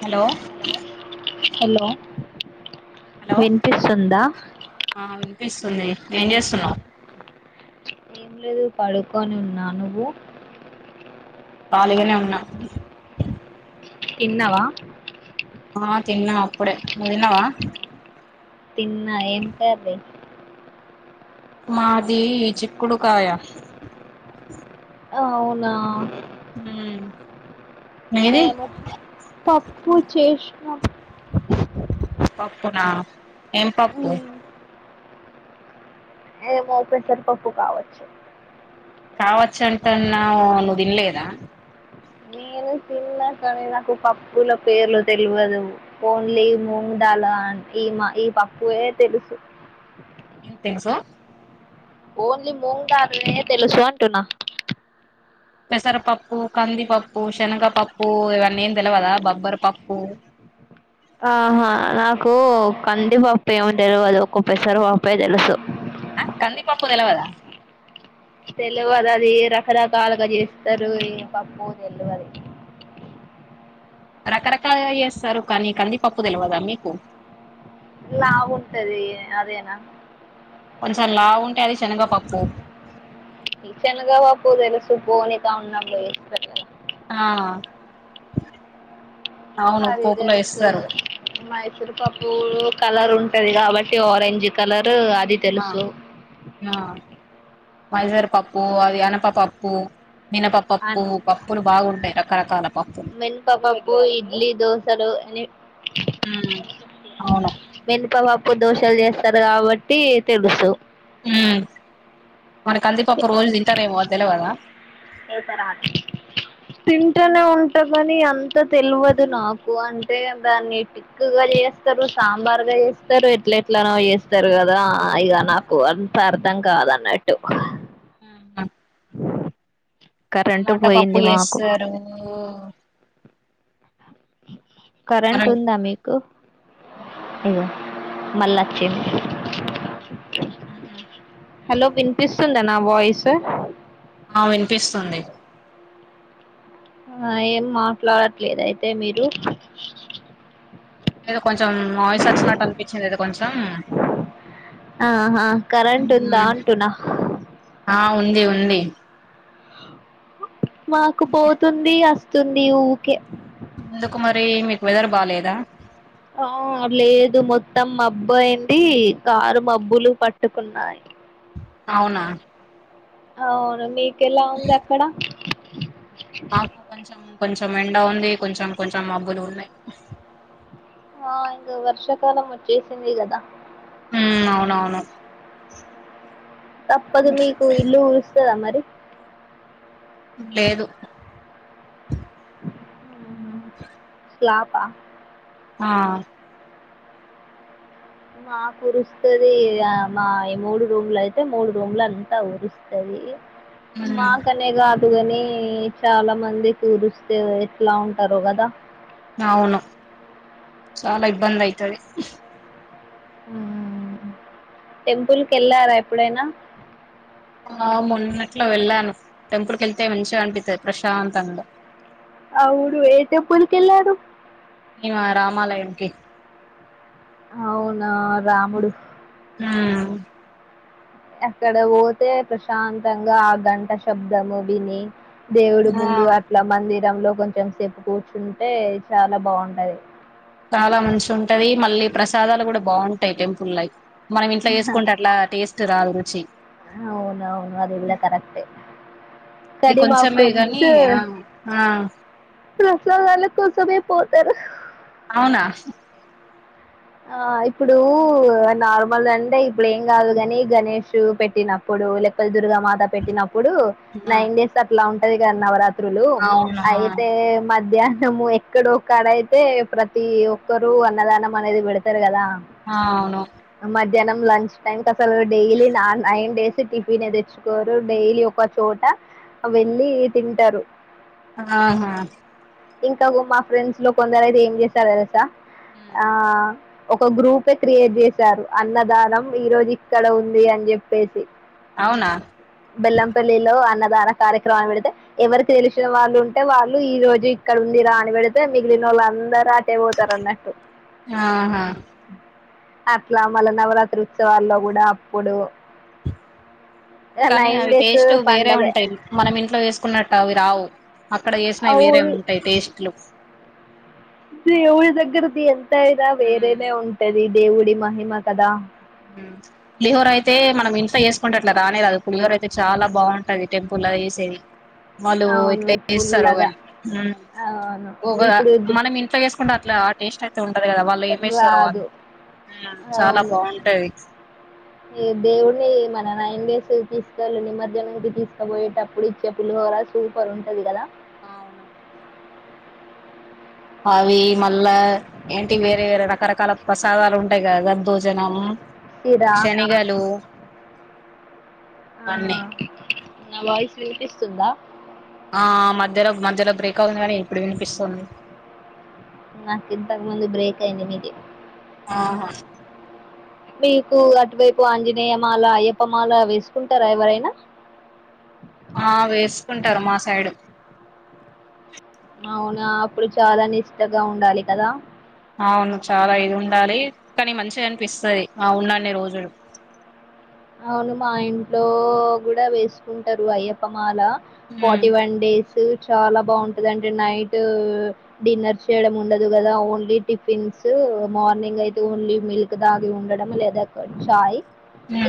hello hello hello వినిపిస్తుందా ఆ వినిపిస్తుంది ఏం చేస్తున్నావు ఏం లేదు పడుకొని ఉన్నా నువ్వు కాళీగానే ఉన్నా తిన్నావా ఆ తిన్న అప్పుడే నువ్వు తిన్నవా తిన్నా ఏం కర్రీ మాది చిక్కుడు కాయ అవునా హ్హ్ మేము పప్పు చేసినం పప్పునా ఏం పప్పు ఉమ్, ఏమో పెసరపప్పు కావచ్చు కావచ్చు అంటన్నావు నువ్వు తినలేదా నేను తిన్నా కానీ నాకు పప్పుల పేర్లు తెల్వదు ఓన్లీ ముంగ్దాలు ఈ పెసర పప్పునే తెలుసు ఇంతే సొ ఓన్లీ ముంగుదాలు తెలుసు అంటున్నా పెసరపప్పు, కందిపప్పు, శనగపప్పు ఇవన్ని ఏం తెలువదా బొబ్బరి పప్పు ఆహా నాకు కంది పప్పు ఏమో తెలువదు ఒక పెసర పప్పు తెలుసు ఆ కందిపప్పు తెలవదా తెలువదు అది రకరకాలుగా చేస్తారు ఈ పప్పు అని తెలువదు ఆ రకరకాలుగా చేస్తారు కానీ కందిపప్పు తెలియదా మీకు లావు ఉంటది అదేనా కొంచెం లావు ఉంటే అది శనగ పప్పు శనగ పప్పు తెలుసు బూందీ చేస్తారు దానితో ఆ అవును అది పోపులో తెలుసు వేస్తారు మైసూర్ పప్పు కలర్ ఉంటది కాబట్టి ఆరెంజ్ కలర్ ఉంటది అది ఆ తెలుసు ఆ మైసూర్ పప్పు అది అనపపప్పు మినపపప్పు పప్పులు బాగుంటయి రకరకాల పప్పులు అసలు ఎన్ని మ్మ్ అవును మినపప్పు దోషాలు చేస్తారు కాబట్టి తెలుసు మ్ మన కంది ఒక్క రోజు తింటారేమో తెల్పడా తింటనే ఉంటా గాని అంత తెల్వదు నాకు అంటే దాన్ని టిక్కుగా చేస స్తరు సాంబార్గా చేస్తారు ఎట్ల ఎట్లానో చేస్తారు కదా ఆ ఇగ అవును నాకు అంత అర్థం కాదన్నట్టు ఊహు కరెంటు టమాట పప్పు పోయింది మాకు చేస్తారు కరెంట్ ఉందా మీకు ఇ మల్లా చిండు హలో వినిపిస్తుం తన వాయిసు ఆ వినిపిస్తుంది ఆ ఏం మాట్లాడట్లేదు అయితే మీరు కొంచం వాయిస్ వచ్చినట్టు అనిపించింది ఎదో కొంచెం ఆహ కరెంట్ ఉందా ఉమ్, అంటునా ఆ ఉంది ఉంది మాకు పోతుంది వస్తుంది ఊకే బాలేద ఆ లేదు మొత్తం మబ్బు అయిండి కారు మబ్బులు పట్టుకున్నాయి అవున అవును మీ కెలా ఉంది అక్కడ మాకు కొంచెం కొంచం ఎండ ఉంది కొంచెం కొంచెం మబ్్బులు ఉన్నాయి ఆ ఇంక వర్షాకాలం వచ్చేసింది కదా ఉమ్ అవునవును తప్పదు మీకు ఇల్లు ఊరుస్తదా మరి లేదు ఫ్లాపా ఆ మాకు కురుస్తది మా ఈ మూడు రూమ్లు అయితే మూడు రూమ్లంతా కురుస్తది మా ఉమ్ కనే గాద్ దుగానీ చాల మంది తుడిస్తే ఎట్ల ఉంటారో కదా అవును చాల ఇభందయితది టెంపుల్ కెళ్ళారాఎప్పుడైనా ఆ మొన్నట్లో వెళ్ళాను టెంపుల్కి వెళ్తే మంచిగా అనిపిత్తది ప్రశాంత్ంగా అవుడు ఏ టెంపుల్కి వెళ్లారు ఇవా రామాలయానికి అవునా రాముడు మ్ అక్కడ పోతే ప్రశాంతంగ ఆ గంట శబ్దము విని దేవుడు ఆ ముందు అట్ల మందిరంలో కొంచం సేపు కూర్చుంటే చాలా బాగుంటది చాలా మంచి ఉంటది మళ్ళీ ప్రసాదాలు కూడా బాగుంటాయి టెంపుల్ లైక్ మనం ఇంట్లో చేసుకుంటే అట్లా టేస్ట్ రాదు రుచి అవునవును అది ఇలా కరెక్ట్ ఇది కనీ మా కొంచెమే గాని ఫ్రెండ్స్ ఆ ఆ ప్రసాదాల కోసమే పోతరు అవున ఆ ఇప్పుడూ నార్మల్ అంటే ఇప్పుడు ఏం కాదు గాని గణేష్ పెట్టినప్పుడు డు లెకపోతే దుర్గా మాత పెట్టినప్పుడు ఆ నైన్ డేస్ అట్ల ఉంటది కద నవరాత్రి త్రులు అవునా అయితే మధ్య డము ఎక్కడో ఒక్కడా అయితే ప్రతి ఒక్కరు అన్నదానం అనేది పెడతారు కదా ఆ అవును మధ్యానం లంచ్ టైమ్కి అసలు డైలీ నా నైన్ డేస్ టిఫిని తెచ్చుకోరు డైలీ ఒక చోట వెళ్ళి తింటరు ఆహా ఇంకా మా ఫ్రెండ్స్ లో కొందరు అయితే ఏం చేస్తారు తెలుసా ఆ ఒక గ్రూపే క్రియేట్ చేశారు అన్నదానం ఈ రోజు ఇక్కడ ఉంది అని చెప్పేసి అవునా బెల్లంపల్లిలో అన్న ధారా కార్యక్రమాన్ని పెడితే ఎవరికి తెలిసిన వాళ్ళు ఉంటే వాళ్ళు ఈ రోజు ఇక్కడ ఉంది రా అని పెడితే మిగిలిన వలందరు అటే పోతరన్నట్టు ఆహా అట్లా మళ్ళ నవరాత్రి ఉత్సవాల్లో కూడా అప్పుడు [inaudible] కానీ నైన్ అవి డేస్ టేస్ట్ వేరే పండగే ఉంటయి మనం ఇంట్లో వేసుకున్నట్టు అవి రావు అక్కడ చేసినయ్ వేరే అవును ఉంటయి టేస్ట్లు దేవుడి దగ్గరిది ఎంత అయిన వేరేనే ఉంటది దేవుడి మహిమ కదా హ్మ్ పులిహోర అయితే మనం ఇంట్లో చేసుకుంట ఇట్లా రానే రాదు పులిహోర అయితే చాలా బాగుంటది టెంపులో చేసేది వాళ్ళు అవును ఎట్ల చేస్తారో ఫుల్లగా గనీ హ్మ్ అవును ఒక ఇప్పుడు మనం ఇంట్లో చేసుకుంటే అట్లా టేస్ట్ అయితే ఉంటారు కదా వాళ్ళు ఏమి ఎస్తారో అని రాదు చాలా అవును బాగుం ఈ దేవుని మన నైన్ డేస్ తీసుకెళ్ నిమర్జనం కి తీసుకపోయేటప్పుడు ఇచ్చే పులిహోర సూపర్ ఉంటది కదా అవును అవి మళ్ళ ఏంటి వేరే వేరే రకరకాల ప్రసాదాలు ఉంటాయి కదా దదోజనం సిరా శనిగలు ఆ నా వాయిస్ వినిపిస్తుందా ఆ మధ్యలో మధ్యలో బ్రేక్ అవుతుంది కానీ ఇప్పుడు వినిపిస్తుంది నాకు ఇంతకుముందు బ్రేక్ అయింది మీది ఆహ మీకు అటువైపు ఆంజనేయమాల అయ్యప్పమాల వేసుకుంటారా ఎవరైనా ఆ వేసుకుంటారు మా సైడు అవునా అప్పుడు చాలా నిష్టగా ఉండాలి కదా అవును చాలా ఇది ఉండాలి కానీ మంచి అనిపిస్తది ఆ ఉన్నన్ని రోజులు [inaudible] అవును మా ఇంట్లో కూడా వేసుకుంటారు అయ్యప్పమాల ఉమ్ ఫార్టీ వన్ డేసు చాలా బాగుంటదంటి నైటు డిన్నర్ చేయడం ఉండదు కదా ఓన్లీ టిఫిన్స్ స్ మార్నింగ్ అయితే ఓన్లీ మిల్క్ తాగి ఉండడం లేదా ఛాయ్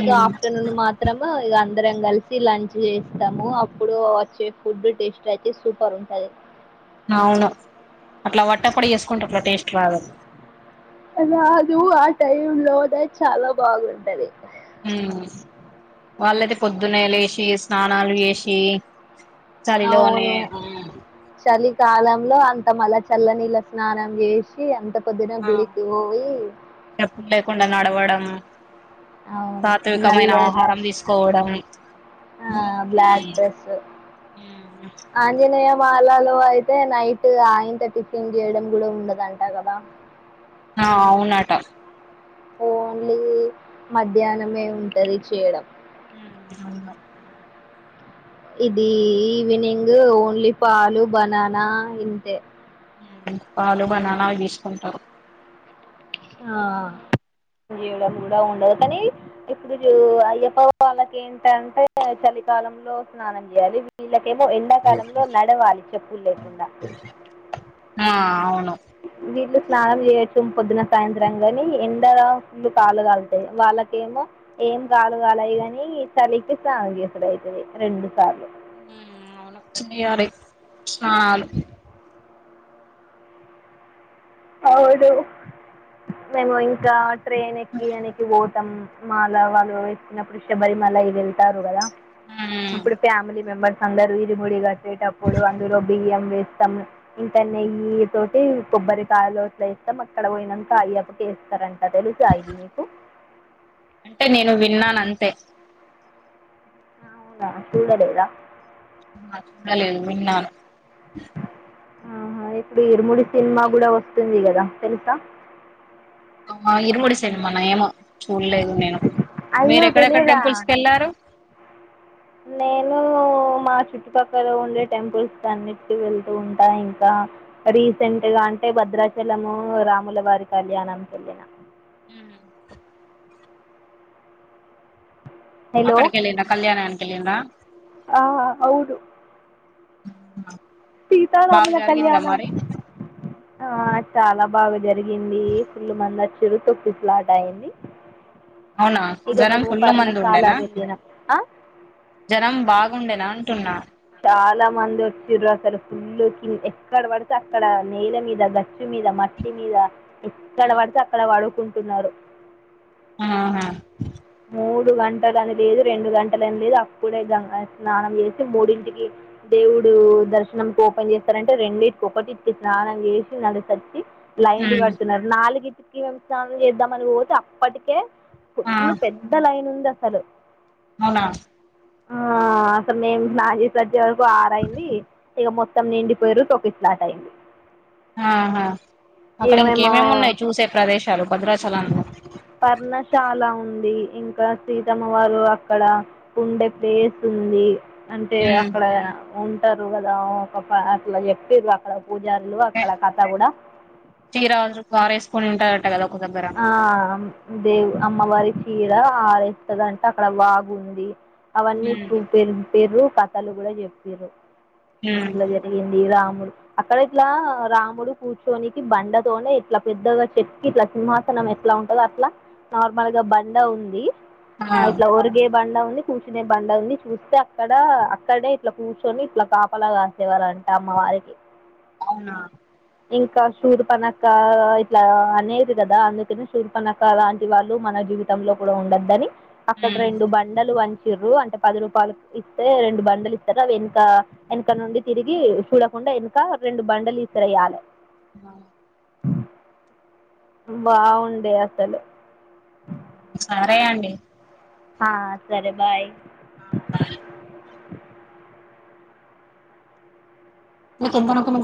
ఇగ ఆఫ్టర్నూన్ మాత్రం ఇగ అం దరం కలిసి లంచ్ చేస్తాము అప్పుడు వచ్చే ఫుడ్ టేస్ట్ అయితే సూపర్ ఉంటది అవును అట్ల వట్టపుడే చేసుకుంటే అట్లా టేస్ట్ రాదు రాదు ఆ టైం లోనే చాలా బాగుంటది హ్మ్ వాళ్ళుయితే పొద్దున్నే లేసి స్నానాలు చేసి చలి లోనే కాలంలో అంత మళ్ళ చల్లనీళ్ళ స్నానం చేసి అంత పొద్దున ఆ గుడికి పోయి చెప్పులు లేకుండా నడవడం అవును సాత్వికమైన నల్ల ఆహారం తీసుకోవడం ఆ ఉమ్ బ్లాక్ డ్రెస్ ఉమ్ ఆంజనేయం మాలలో అయితే నైట్ ఆ ఇంత టిఫిన్ చేయడం గుడ ఉండదంట కదా ఆ అవునాట ఓన్లీ మధ్యాహ్నమే ఉంటది చేయడం ఉంద ఇది ఈవినింగ్ ఓన్లీ పాలు బనానా ఇంతే పాలు బనానా తీసుకుంటారు ఆ జీవుడ కూడా ఉండదు కానీ ఇప్పుడు అయ్యప్ప వాళ్ళకి ఏంటంటే చలి కాలంలో స్నానం చేయాలి వీల్ ఏమో ఎండాకాలంలో నడవాలి చెప్పులు లేకుండా ఆ అవును వీళ్లు స్నానం చేయొచ్చు పొద్దున సాయంత్రం కాని ఎండ ఫులు కాలు కలుతాయి వాళ్ళకేమో ఏం గాలు గాలియి గాని తలికి సాగ చేసాడు అైతది రెండు సార్లు ఉమ్ అవును చేయాలే స్నానాలు అవును మేము ఇంకా ట్రైన్ ఎక్కి అనకి పో మాల వాళ్ళు వచ్చినప్పుడు శబరిమల అవి వెళ్తారు కదా మ్మ్ అప్పుడు ఫ్యామిలీ మెంబర్స్ అందరు ఇరిముడిగట్టేటప్పుడు అందులో బియ్యం వేస్తం ఇంకా నెయ్యి తోటి కొబ్బరి కా లోట్ల ఇస్తాం అక్కడ పోయినంత అయ్యప్పకి వేస్తారండి ఎలుసయి నకు అంటే నేను విన్నాను అంతే అవునా చూడలేద చూడలలు మన్నాను ఆహా ఇప్పుడు ఇరుముడి సినిమా గుడ వస్తుంది కదా తెలుసా ఆ ఇరు మడి సేనుమా నా ఏమ చూడలేదు నేను మీరు అయ్యో ఎక్కడెక్కడ తెలియదా టెంపుల్స్ క వెళ్లారు నేను మా చుట్టుపక్కల ఉండే టెంపుల్స్ అన్నిటికి వెళ్తూ ఉంటాయి ఇంకా రీసెంట్ గా అంట అంటే భద్రాచలము రాములవారి కళ్యాణం చెలిిన ఉహు హలో అక్కడికి ఎళ్ళిండ్ర కళ్యాణనానికి ఎళ్ళిండ్ర ఆ, అవును [inaudible] బాగా సీతారాముల జరిగిందా కళ్యాణం మరి ఆ చాలా బాగా జరిగింది ఫుల్లు మందచ్చిర్రు తొక్కిసులాట అయింది అవునా ఇగ జనం మేముఊ ఫుల్లు పర్ణ మంది శాల ఉండేనా వ్యదనా ఆ జనం బాగుండేనా అంటున్నా చాలా మంది వచ్చి్ర అసలు ఫుల్ కింద ఎక్కడ పడితే అక్కడ నేల మీద గచ్చు మీద మట్ పత్తి మీద ఎక్కడ పడితే అక్కడ వాడుకుంటున్నారు ఆహా మూడు గంటలుని లేదు రెండు గంటలని లేదు అప్పుడే స్నానం చేసి మూడింటికి దేవుడు దర్శనం ఓపెన్ చేస్తారంటే రెండింటికి ఒకటి ఇచ్చి స్నానం చేసి నడిసచ్చి లైన్లు ఉమ్ కడుతున్నారు నాలుగింటికి సానం చేద్దాంమని పోతే అప్పటికే ఆ కొన్ని న్ ఉందిసలు అవునా అసలు మేము నాజద్ద వరకు ఆరైంది ఇక మొత్తం నిండిపోయారు సోకి ఇట్లాట్ అయింది ఆహా అక్కడ ఇక ఇంకేమేమి మేము ఉన్నాయి చూసే ప్రదేశాలు భద్రాచలంలో చాలా ఉ ఇంకా సితమ్మ వారు అక్కడ ఉండే ప్లేస్ ఉంది అంటే ఉమ్ అక్కడ ఉంటారు కదా ఒక అట్లా చెప్పారి అక్కడ పూజారులు అక్కడ కథ కూడా చీర పారేసుకొని ఉంటారట కదా ఒక దగ్గర ఆ దే అమ్మవారి చీర ఆరేస్తుంది అంట అక్కడ వాగు ఉంది అవన్నీ ఉమ్ చూపిరు కథలు కూడా చెప్పిర్రు ఉమ్ ఇట్లా జరిగింది రామ్ అక్కడ ఇట్లా రాముడు కూర్చొనికి బండతోనే ఇట్లా పెద్దగా చెక్కి ఇట్లా సింహాసనం ఎట్లా ఉంటందో అట్లా నార్మల్ గా బండ ఉంది ఆ ఇట్లా ఓర్గే బండ కూర్చునే బండ ఉంది చూస్తే అక్కడ అక్కడనే ఇట్లా కూర్చొని ఇట్లా కాపలాగాసేవారంట అమ వారికి అవునా ఇంకా షూర్ పనక ఇట్లా అనే కదా అందుకనే సూర్పనక్కలాంటి వాళ్ళు మన జీవితంలో కూడా ఉండద్దని అక్కడ ఉమ్ రెండు బండలు చిర్ర్ అంటే పది రూపాయలు ఇస్తే రెండు బండలు ఇస్తారు అవి వెనక వెనక నుండి తిరిగి చూడకుండా ఇంకా ఎనక రెండు బండలి సర ఆల ఆ బాగుండే అసలు సరే అండి ఆ సరే బాయ్ మీకు ఎంతనుకు మీ